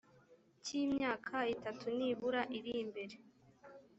cy imyaka itatu nibura iri mbere